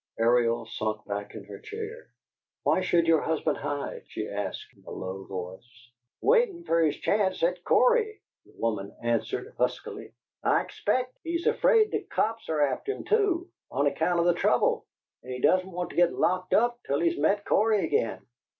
Ariel had sunk back in her chair. "Why should your husband hide?" she asked, in a low voice. "Waitin' fer his chance at Cory," the woman answered, huskily. "I expect he's afraid the cops are after him, too, on account of the trouble, and he doesn't want to git locked up till he's met Cory again.